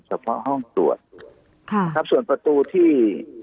เฉพาะห้องตรวจค่ะนะครับส่วนประตูที่